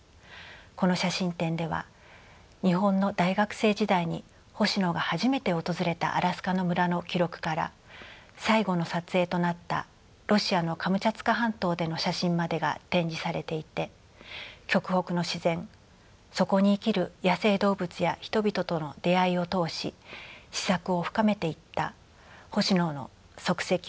この写真展では日本の大学生時代に星野が初めて訪れたアラスカの村の記録から最後の撮影となったロシアのカムチャツカ半島での写真までが展示されていて極北の自然そこに生きる野生動物や人々との出会いを通し思索を深めていった星野の足跡をたどることができます。